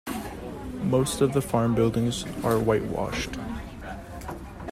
Most of the farm buildings are whitewashed.